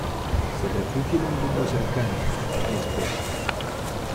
Se refugia en un mundo cercano y espera.